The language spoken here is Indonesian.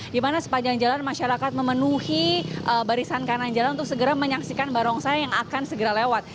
di mana sepanjang jalan masyarakat memenuhi barisan kanan jalan untuk segera menyaksikan barongsai yang akan segera lewat